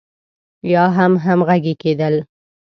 يا هم همغږي کېدل.